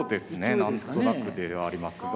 何となくではありますが。